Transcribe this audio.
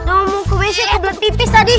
aku mau ke wc aku belet pipis tadi